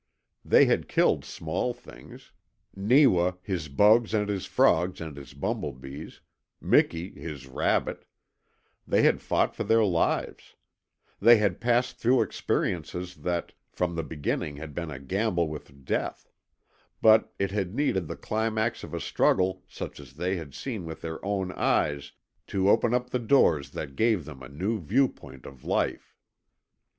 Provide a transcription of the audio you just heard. They had killed small things Neewa, his bugs and his frogs and his bumble bees; Miki, his rabbit they had fought for their lives; they had passed through experiences that, from the beginning, had been a gamble with death; but it had needed the climax of a struggle such as they had seen with their own eyes to open up the doors that gave them a new viewpoint of life.